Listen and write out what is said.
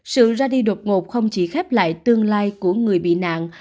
sự ra đi đột ngột không chỉ khép lại tương lai của người bị nạn